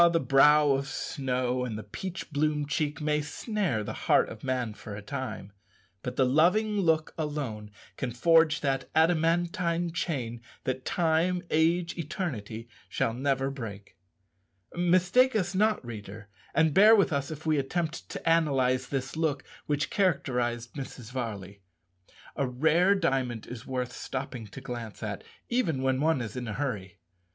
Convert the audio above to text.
the brow of snow and the peach bloom cheek may snare the heart of man for a time, but the loving look alone can forge that adamantine chain that time, age, eternity shall never break. Mistake us not, reader, and bear with us if we attempt to analyze this look which characterized Mrs. Varley. A rare diamond is worth stopping to glance at, even when one is in a hurry.